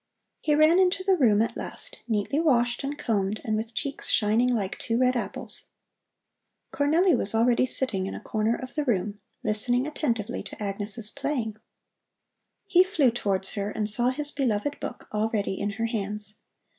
He ran into the room at last, neatly washed and combed and with cheeks shining like two red apples. Cornelli was already sitting in a corner of the room, listening attentively to Agnes' playing. He flew towards her and saw his beloved book already in her hands.